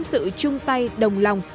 sự chung tay đồng lòng